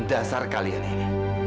dasar kalian ini